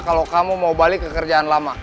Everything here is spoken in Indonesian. kalau kamu mau balik ke kerjaan lama